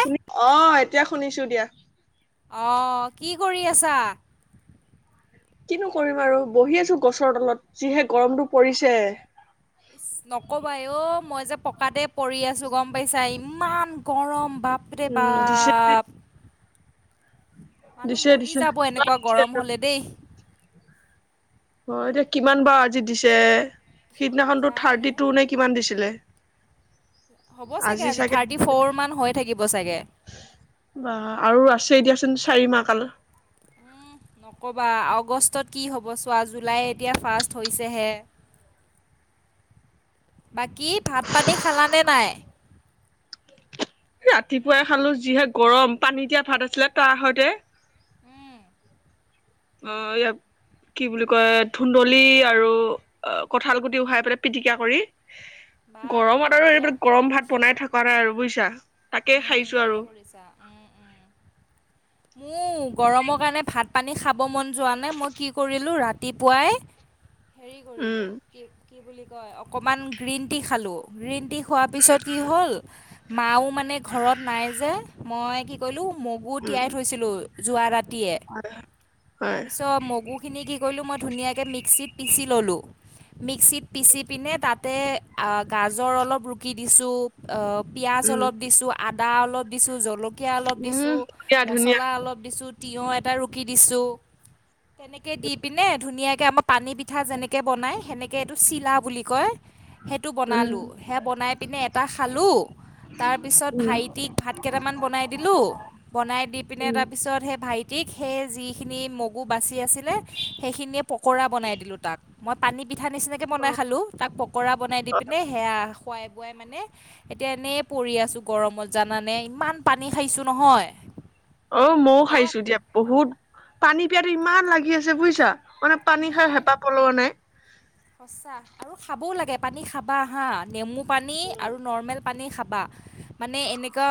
শুনি, অঁ' এতিয়া শুনিছো দিয়া। অঁ' কি কৰি আছা? কিনো কৰিম আৰু বহি আছো গছৰ তলত, যিহে গৰমটো পৰিছে। নকবাই অ' মই যে পকাতে পৰি আছোঁ গম পাইছা, ইমান গৰম উম দিছে বাপ- [unintelligible] মানুহ দিছে মৰি দিছে যাব, এনেকুৱা গৰম হলে দেই। অ' এতিয়া কিমান বাৰু আজি দিছে? সিদিনাখনটো জানো থাৰ্টি টু নে কিমান দিছিলে। হ'ব চাগে আজি থাৰ্টি ফ'ৰ মান হৈ থাকিব চাগে। বা আৰু আছে দিয়াচোন চাৰি মাহ কালৰ। উম, নক'বা আগষ্টত কি হ'ব চোৱা জুলাই এতিয়া ফাৰ্ষ্ট হৈছেহে। বাকী ভাত-পানী খালানে নাই? ৰাতিপুৱাই খালো, যিহে গৰম পানী দিয়া ভাত আছিলে তাৰ সৈতে। উম। অ' ইয়াক কি বুলি কয় ধুন্দলী আৰু আহ কঁঠাল গুটি উহাই পেলাই পিটিকা কৰি। বাহ গৰমত আৰু বঢ়িয়া। এইবিলাক গৰম ভাত বনাই থকা নাই আৰু বুজিছা। তাকে উম, খাইছো আৰু ভালে কৰিছা। উম উম! উ গৰমৰ কাৰণে ভাত-পানী খাব মন যোৱা নাই। মই কি কৰিলোঁ ৰাতিপুৱাই হেৰি কৰিলো উম কি কি বুলি কয়, অকমান গ্ৰীণ টি খালো গ্ৰীণ টি খোৱাৰ পিছত কি হ'ল মাও মানে ঘৰত নাই যে মই কি [unintelligible] মগু উম, তিয়াই থৈছিলো যোৱা ৰাতিয়ে হয়, তাৰপিছত মগু খিনি কি কৰিলোঁ মই ধুনীয়াকে মিক্সিত পিচি ল'লো। মিক্সিত পিচি পিনে তাতে আ' গাজৰ অলপ ৰুকি দিছোঁ। অ' পিয়াজ উম, অলপ দিছো, আদা অলপ দিছো, জল কীয়া অলপ দিছো, উম, ধুনীয়া ধুনীয়া, মছলা অলপ দিছো, তিয়ঁহ এটা ৰুকি দিছো। তেনেকে দি পিনে ধুনীয়াকে আকৌ পানী পিঠা যেনেকে বনাই সেনেকে এইটো চিলা বুলি কয়। সেইটো উম, বনালোঁ, সেয়া বনাই পিনে এটা খালো। তাৰপিছত উম, টিক ভাত কেইটামান বনাই দিলো। বনাই দি পিনে উম, তাৰ পিছত সেই ভাইটিক সেই যিখিনি মগু বাচি আছি লে সেইখিনিয়ে পকৰা বনাই দিলো তাক। মই পানী পিঠা নিচিনাকে বনাই খালো, তাক পকৰা বনাই দি পিনে সেয়া খোৱাই খুৱাই মানে এতিয়া এনেই পৰি আছো গৰমত। জানানে, ইমান পানী খাইছো নহয়। অ' মও অ' খাইছো দিয়া, বহুত পানী পিয়াটো ইমান লাগি আছে বুজিছা। মানে পানী খাই উম, হেঁপাহ পলোৱা নাই। সঁচা আৰু খাবও লাগে পানী খাবা হা। নেমু পানী উম, আৰু নৰ্মেল পানী খাবা। মানে এনেকা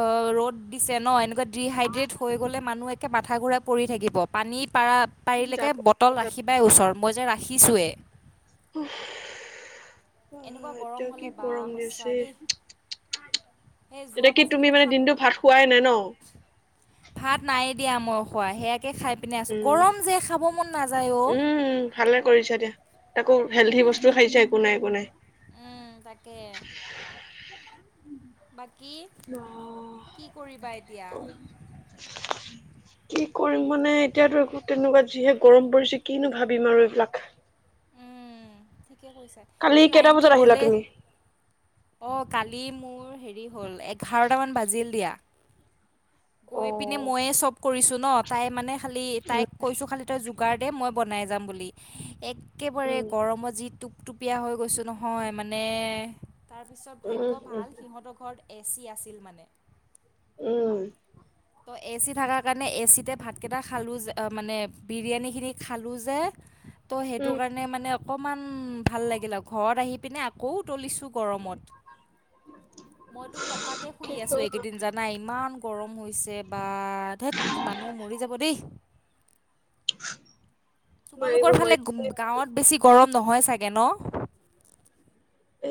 অ' ৰ'দ দিছে ন, এনেকুৱা ডিহাইড্ৰেট হৈ গলে। মানুহ মাথা ঘূৰাই পৰি থাকিব। পানী পাৰা পাৰিলেকে যাব বটল যাব ৰাখিবাই ওচৰত, মই যে ৰাখিছোৱেই। আহ এনেকুৱা গৰম এতিয়া হ'লে কি বা গৰম সঁচা দিছে। দেই [unintelligible] সেই এতিয়া যোৱাবাৰ কি তুমি যেনেকৈ মানে ঠান দিনটো ভাত খোৱাই নাই ন? ভাত নাই দিয়া মই খোৱা সেয়াকে খাই পিনে আছো, উম, গৰম যে খাব মন নাযায় অ'। উম, ভালে কৰিছা দিয়া তাকো হেলডি উম, বস্তু খাইছা একো নাই একো নাই। উম তাকে। বাকী অ', কি কৰিবা এতিয়া? [inaudible] কি কৰিম মানে এতিয়াতো একো তেনেকুৱা যিহে গৰম পৰিছে কিনো ভাবিম আৰু এইবিলাক। উম ঠিকে কৈছা। কালি এই কেইটা লাইনটো বজাত আহিলা গ'লে তুমি? অ কালি মোৰ হেৰি হ'ল এঘাৰটামান বাজিল দিয়া কৈ পিনে অ'। মইয়ে চব কৰিছো ন তাই মানে খালি উম তাইক কৈছোঁ খালি তই যোগাৰ দে মই বনাই যাম বুলি একেবাৰে উম গৰমত যি টোপটোপীয়া হৈ গৈছোঁ নহয় মানে তাৰপিছত উম ভাগ্য উম ভাল সিহঁতৰ ঘৰত এ চি আছিল মানে উম ত এ চি থকাৰ কাৰণে এ চিতে ভাতকেইটা খালোঁ যে মানে বিৰিয়ানীখিনি খালোঁ যে ত' সেইটো উম কাৰণে মানে অকমান ভাল লাগিলে আৰু ঘৰত আহি পিনে আকৌ উতলিছো গৰমত মইতো পকাতে শুই কি ক আছো এই এইকেইদিন জানা ইমান গৰম হৈছে বা ধেইত মানুহ মৰি যাব দেই মাৰিব তোমালোকৰ ফালে মাৰিব গাঁৱত বেছি গৰম নহয় চাগে ন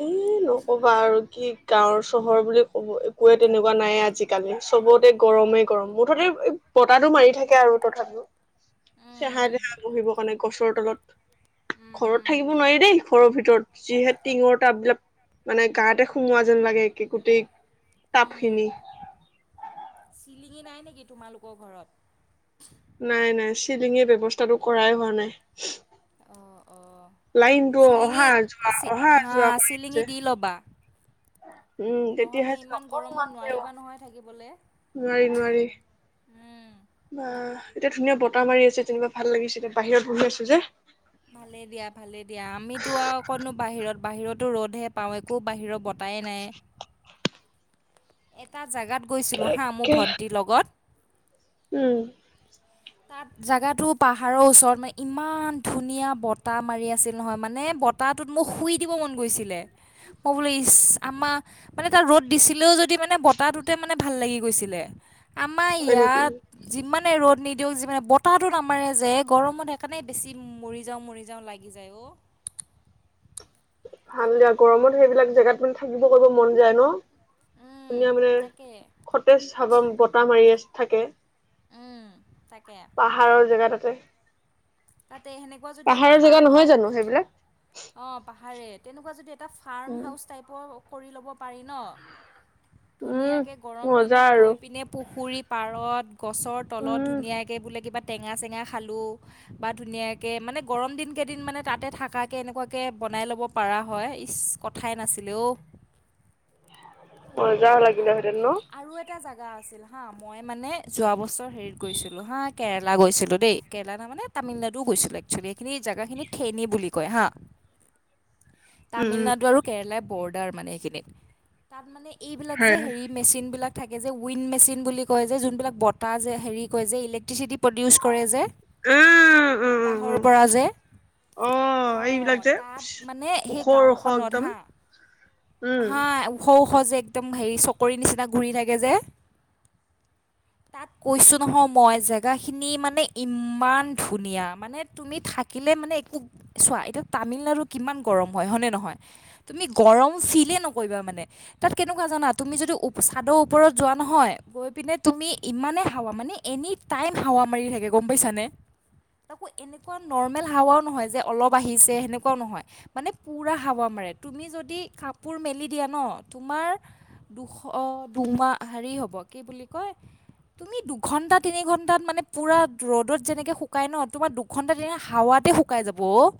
এ নক'বা আৰু কি গাঁৱৰ চহৰ বুলি ক'ব একোৱে তেনেকুৱা নাইয়ে আজিকালি চবতে গৰমে গৰম মুঠতে বতাহটো মাৰি থাকে আৰু তথাপি [unintelligible] ছাহা উম নাই বহিব কাৰণে গছৰ তলত উম ঘৰত উম থাকিব নোৱাৰি দেই ঘৰৰ ভিতৰত যিহে টিঙৰ টাপ বিলাক মানে গাতে সোমোৱা যেন লাগে একে গোটেই টাপ উম, খিনি চিলিঙি নাই নেকি তোমালোকৰ ঘৰত নাই নাই চিলিঙি ব্যৱস্থাটো কৰাই হোৱা নাই অ অ লাইনটো অহা যোৱা অহা হা যোৱা কৰি চিলিঙি আছে দি ল'বা উম তেতিয়াহে যদি অকণমান পৰিব সোমাই থাকিবলে নোৱাৰি নোৱাৰি বা এতিয়া ধুনীয়া বতাহ মাৰি আছে যেনিবা ভাল লাগিছে এতিয়া বাহিৰত বহি আছো যে ভালেই দিয়া ভালেই দিয়া আমিতো আৰু কতনো বাহিৰত বাহিৰতো ৰ'দহে পাওঁ একো বাহিৰৰ বতাহ নাই। এটা জেগাত গৈছিলোঁ হা মোৰ তাকে ভণ্টিৰ লগত উম, তাত জেগাটো পাহাৰৰ ওচৰত মানে ইমান ধুনীয়া বতাহ মাৰি আছিল নহয় মানে ব তাৰ তাত মোক শুই দিব মন গৈছিলে মই বোলে ইচ আমাৰ মানে তাৰ ৰ'দ দিছিলেও যদি থাকি মানে বতাহটোতে ভাল লাগি গৈছিলে আমাৰ হয় নেকি ইয়াত যিমানে ৰদ নি দিয়ক যি মানে বতাহটো নামাৰে যে গৰমত সেইকাৰণে বেছি মৰি যাওঁ মৰি যাওঁ লাগি যায় অ ভাল দিয়া গৰমত সেইবিলাক জেগাত মানে থাকিব কৰিব মন যায় ন। উম, ধুনীয়া মানে তাকে সতেজ হাৱা বতাহ মাৰি আছ থাকে। উম তাকে পাহাৰৰ জেগা তাতে তাতে সেনেকুৱা যদি এটা পাহাৰৰ জেগা ফাৰ্ম নহয় হাউচ জানো সেইবিলাক অ পাহাৰে তেনেকুৱা যদি এটা ফাৰ্ম উম হাউচ টাইপৰ কৰি ল'ব পাৰি ন উম ধুনীয়াকে গৰম মজা দিনত আৰু গৈ পিনে পুখুৰীত পাৰত গছৰ তলত উম ধুনীয়াকে বোলে কিবা টেঙা -চেঙা খালো বা ধুনীয়াকে মানে গৰম দিন কেইদিন মানে তাতে থাকাকে এনেকুৱাকে বনাই ল'ব পৰা হয় ইচ কথাই নাছিলে ঔ। মজা আ- লাগিলে আৰু এটা জাগা আছিল হা। অ', মই মানে যোৱা বছৰ হেৰিত গৈছিলোঁ হা, কেৰেলা গৈছিলোঁ দেই, কেৰেলা তাৰ মানে? তামিলনাডু গৈছিলোঁ একচুৱেলি এইখিনি জেগাখিনি থেনী বুলি কয় হা। তামিলনাডু আৰু কেৰেলাৰ বৰ্ডাৰ মানে সেইখিনিত, তাত মানে এইবিলাক হয় যে হয় হেৰি। মেচিন বিলাক থাকে যে উইণ্ড মেচিন বুলি কয় যে যোনবিলাক বতাহ যে হেৰি কয় যে ইলেক্ট্ৰিচিটি প্ৰডিউচ? কৰে যে, উম উম উম বতাহৰ উম পৰা যে। অ অ', এইবিলাক যে তাত মানে সেই ওখৰ ওখ গাঁওখনত একদম হা, উম হাআ ও। সৌ-সৌ যে একদম হেৰি চকৰি নিচিনা ঘূৰি থাকে যে। তাক কৈছোঁ নহয় মই জেগাখিনি মানে ইমান ধুনীয়া মানে। তুমি থাকিলে মানে একো, চোৱা এতিয়া তামিলনাডু কিমান গৰম হয়, হয়নে নহয়? তুমি গৰম ফিল নকৰিবা মানে, তাত কেনেকুৱা। কেনেকুৱা জানা, তুমি যদি ওপচ চাদৰ ওপৰত যোৱা নহয়, গৈ পিনে তুমি ইমানে হাৱা মানে। এনি টাইম হাৱা মাৰি থাকে গম পাইছানে। তাকো এনেকুৱা নৰ্মেল হাৱাও নহয় যে অলপ আহিছে সেনেকুৱাও নহয়। মানে পুৰা হাৱা মাৰে, তুমি যদি কাপোৰ মেলি দিয়া ন তোমাৰ। দুশ অহ', দুমাহ হেৰি হ'ব কি বুলি কয়? তুমি দুঘণ্টা তিনি ঘণ্টাত মানে পুৰা ৰ'দত যেনেকে শুকাই ন তোমাৰ দু ঘণ্টাত এয়া হাৱাতে শুকাই যাব ও',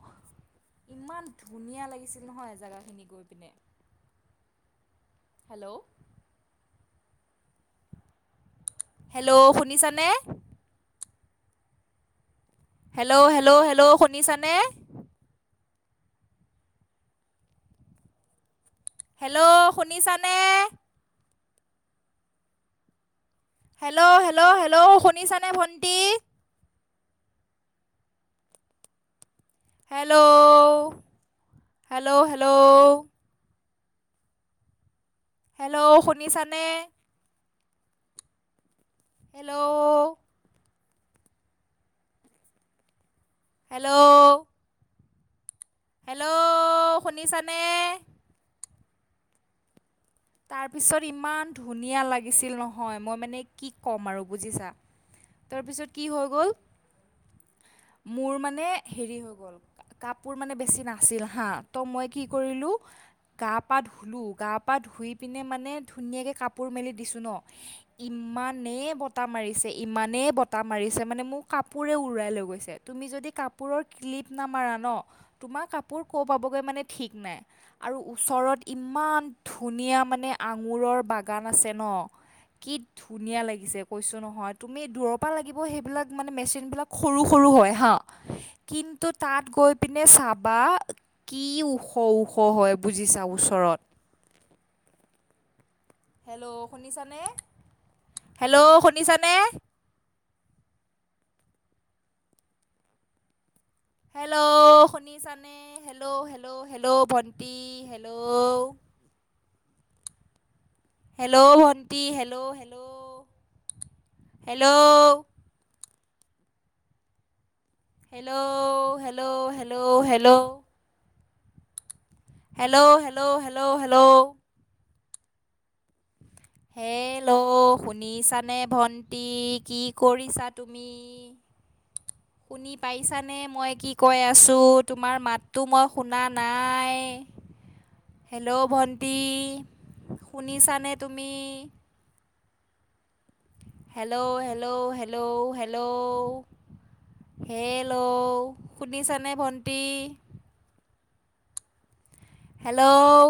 ইমান ধুনী ধুনীয়া লাগিছিল নহয় জেগাখিনি গৈ পিনে। হেল্ল',। হেল্ল', শুনিছানে? হেল্ল', -হেল্ল', -হেল্ল', শুনিছা নে? হেল্ল', শুনিছানে? হেল্ল', -হেল্ল', -হেল্ল', শুনিছানে ভণ্টি? Hello, hello, hello? হেল্ল', শুনিছা নে? হেল্ল',? হেল্ল',? হেল্ল'ওওও, শুনিছানে? তাৰ পিছত ইমান ধুনীয়া লাগিছিল নহয় মই মানে কি ক'ম আৰু বুজিছা। তাৰ পিছত কি হৈ গ'ল, মোৰ মানে হেৰি হৈ গ'ল। কা-কাপোৰ মানে বেছি নাছিল হা, ত' মই কি কৰিলোঁ? গা-পা ধুলোঁ, গা-পা ধুই পিনে মানে ধুনীয়াকে কাপোৰ মেলি দিছোঁ ন। ইমানেই বতাহ মাৰিছে, ইমানে বতাহ মাৰিছে, মানে মোৰ কাপোৰে উৰাই লৈ গৈছে। তুমি যদি কাপোৰৰ ক্লিপ নামাৰা ন', তোমাৰ কাপোৰ ক'ত পাবগৈ, মানে ঠিক নাই। আৰু ওচৰত ইমান ধুনীয়া, মানে আঙুৰৰ বাগান আছে ন। কি ধুনীয়া লাগিছে কৈছোঁ নহয়, তুমি। দূৰৰ পৰা লাগিব, সেইবিলাক মানে মেচিনবিলাক সৰু-সৰু হয় হাঁ। কিন্তু তাত গৈ পিনে চাবা। কি ওখ-ওখ হয়, বুজিছা, ওচৰত। হেল্ল', শুনিছানে, হেল্ল', শুনিছানে? হেল্ল'ওও, শুনিছানে? হেল্ল', -হেল্ল', -হেল্ল', ভণ্টি, হেল্ল'। হেল্ল' ভণ্টি, hello, -hello, hello. Hello, -hello, -hello, -hello. Hello, -hello, -hello, -hello. Hello? শুনিছানে ভণ্টি, কি কৰিছা তুমি? শুনি পাইছানে? এ মই কি কৈ আছো, তোমাৰ মাততো মই শুনা নাই? হেল্ল' ভণ্টি শুনিছানে তুমি? Hello, hello, hello, hello? Hello শুনিছা নে ভণ্টি? হেল্ল'?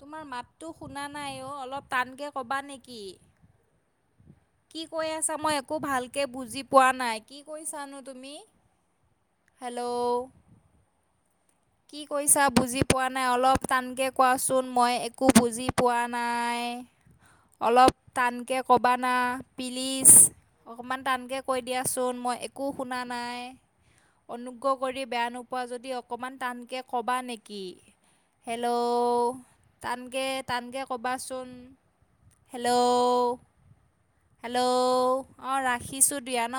তোমাৰ মাতটো শুনা নাই অ', অলপ টানকে ক'বা নেকি? কি কৈ আছা মই একো ভালকে বুজি পোৱা নাই, কি কৈছানো তুমি? হেল্ল'? কি কৈছা বুজি পোৱা নাই, অলপ টানকৈ কোৱাচোন, মই একো বুজি পোৱা নাই? অলপ টানকে কবা না পিলিচ। অকমান টানকৈ কৈ দিয়াচোন, মই একো শুনা নাই? অনুগ্ৰহ কৰি বেয়া নোপোৱা যদি অলপমান টানকৈ ক'বা নেকি? হেল্ল'? টানকৈ, টানকৈ ক'বাচোন? হেল্ল'? হেল্ল'? অঁ, ৰাখিছোঁ দিয়া ন।